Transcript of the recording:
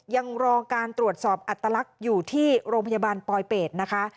ยังรอการตรวจสอบอัตลักษณ์อยู่ที่โรงพยาบาลปลอยเป็ดนะคะ